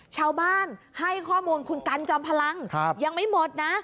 ชาวบ้านให้ข้อมูลคุณกันจอมพลังยังไม่หมดนะ